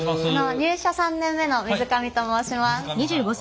入社３年目の水上と申します。